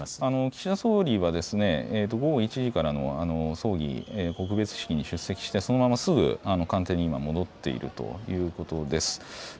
岸田総理は午後１時からの葬儀、告別式に出席して、そのまますぐ官邸に今、戻っているということです。